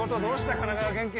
神奈川県警。